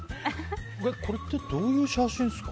これってどういう写真ですか？